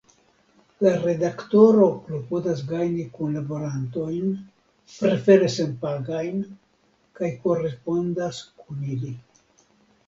La Redaktoro klopodas gajni kunlaborantojn, prefere senpagajn, kaj korespondas kun ili.